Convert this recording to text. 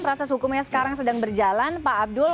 proses hukumnya sekarang sedang berjalan pak abdul